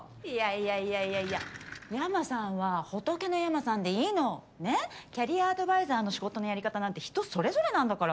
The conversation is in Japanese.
いやいやいや山さんは仏の山さんでいいの。ねぇキャリアアドバイザーの仕事のやり方なんて人それぞれなんだから。